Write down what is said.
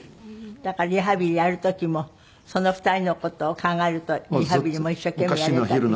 だからリハビリやる時もその２人の事を考えるとリハビリも一生懸命やれたり。